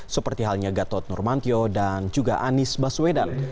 seperti halnya gatot nurmantio dan juga anies baswedan